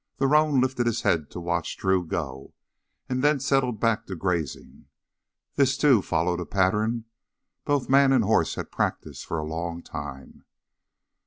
The roan lifted his head to watch Drew go and then settled back to grazing. This, too, followed a pattern both man and horse had practiced for a long time.